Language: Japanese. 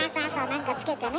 なんかつけてね。